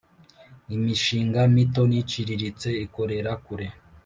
Imishinga mito n ‘iciriritse ikorera kure.